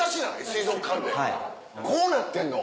水族館でこうなってんの？